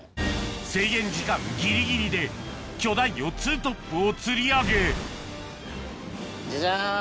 制限時間ギリギリで巨大魚ツートップを釣り上げジャジャン。